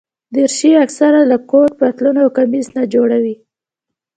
دریشي اکثره له کوټ، پتلون او کمیس نه جوړه وي.